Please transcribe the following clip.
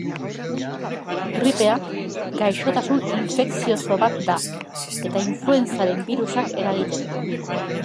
Gripea gaixotasun infekzioso bat da, eta influenzaren birusak eragiten du.